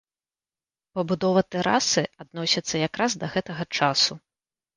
Пабудова тэрасы адносіцца якраз да гэтага часу.